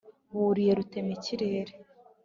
buriye rutemikirere